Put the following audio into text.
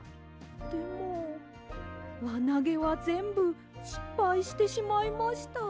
でもわなげはぜんぶしっぱいしてしまいました。